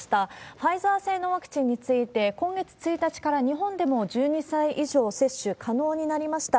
ファイザー製のワクチンについて、今月１日から日本でも１２歳以上接種可能になりました。